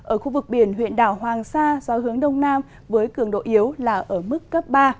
ở khu vực biển huyện đảo hoàng sa gió hướng đông nam với cường độ yếu là ở mức cấp ba